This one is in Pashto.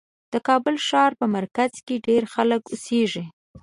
د کابل ښار په مرکز کې ډېر خلک اوسېږي.